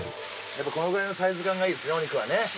やっぱこのくらいのサイズ感がいいですね